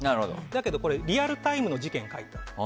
だけど、これはリアルタイムの事件を描いている。